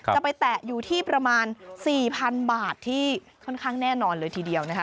แตะอยู่ที่ประมาณ๔๐๐๐บาทที่ค่อนข้างแน่นอนเลยทีเดียวนะคะ